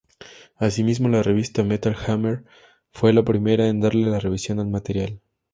Asimismo, La revista "Metal Hammer" fue la primera en darle una revisión al material.